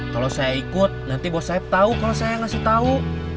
kalau saya ikut nanti bos saya tahu kalau saya ngasih tahu